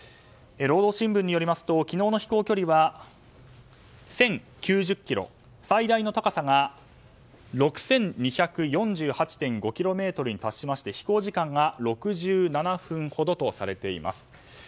労働新聞によりますと昨日の飛行距離は１０９０ｋｍで最大の高さが６２４８．５ｋｍに達しまして飛行時間が６７分ほどとされています。